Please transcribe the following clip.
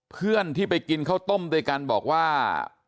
เพื่อนที่ไปกินข้าวต้มด้วยกันบอกว่า